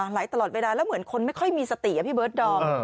แล้วเหมือนคนไม่ค่อยมีสติพี่เบิร์ทดอม